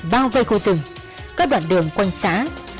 bao vây khu rừng các đoạn đường quanh xã